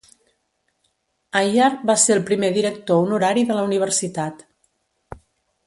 Aiyar va ser el primer director honorari de la universitat.